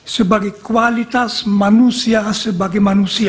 sebagai kualitas manusia sebagai manusia